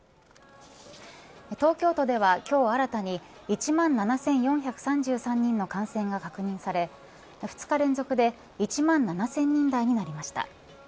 東京都では今日新たに１万７４３３人の感染が確認され２日連続で１万７０００人台になりました。